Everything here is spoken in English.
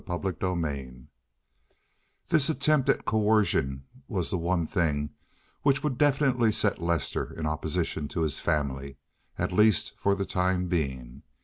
CHAPTER XLIII This attempt at coercion was the one thing which would definitely set Lester in opposition to his family, at least for the time being.